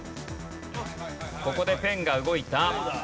ここでペンが動いた。